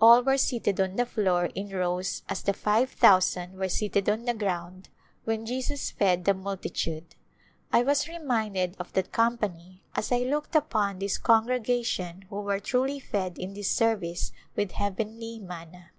All were seated on the floor in rows as the five thousand were seated on the ground when Je A Glimpse of India sus fed the multitude. I was reminded of that com pany as I looked upon this congregation who were truly fed in this service with heavenly manna.